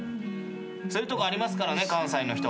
そういうとこありますからね関西の人。